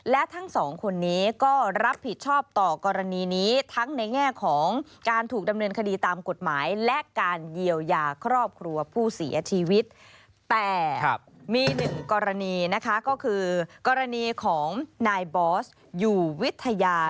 แต่มีหนึ่งกรณีนะคะก็คือกรณีของนายบอสอยู่วิทยา